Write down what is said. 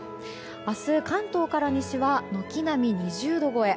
明日、関東から西は軒並み２０度超え。